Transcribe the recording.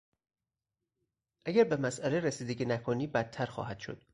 اگر به مسئله رسیدگی نکنی، بدتر خواهد شد.